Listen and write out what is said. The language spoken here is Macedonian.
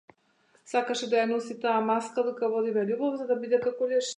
Сакаше да ја носи таа маска додека водиме љубов, за да биде како леш.